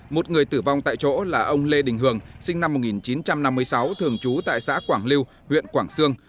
một người tử vong tại chỗ là ông lê đình hường sinh năm một nghìn chín trăm năm mươi sáu thường trú tại xã quảng lưu huyện quảng sương